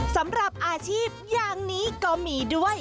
สำหรับอาชีพอย่างนี้ก็มีด้วย